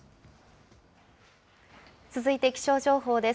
続いて気象情報です。